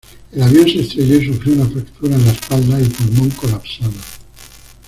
El avión se estrelló y sufrió una fractura en la espalda y pulmón colapsado.